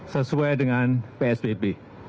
sesuai dengan psbb